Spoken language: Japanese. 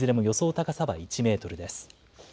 高さは１メートルです。